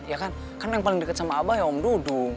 ya kan karena yang paling dekat sama abah ya om dudung